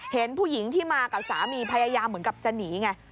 เห็นผู้หญิงที่มากับสามีพยายามเหมือนกับจะหนีไง